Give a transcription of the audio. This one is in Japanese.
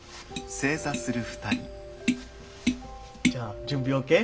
じゃあ準備ＯＫ？